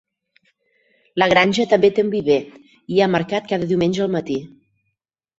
La granja també té un viver i hi ha mercat cada diumenge al matí.